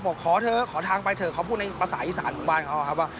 บอกขอเถอะขอทางไปเถอะเขาพูดในภาษาอีสานของบ้านเขาครับว่า